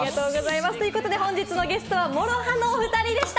本日のゲストはＭＯＲＯＨＡのお二人でした。